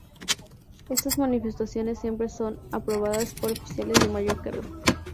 Estas manifestaciones siempre son aprobadas por oficiales de mayor cargo".